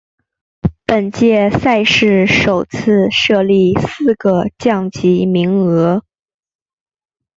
本届赛事首次设立四个降级名额。